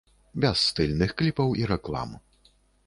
Без стыльных кліпаў і рэклам.